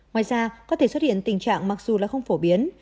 ngoài ra có thể xuất hiện tình trạng mặc dù là không phổ biến